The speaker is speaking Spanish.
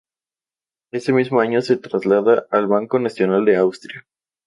Ese mismo año se traslada al Banco Nacional de Austria.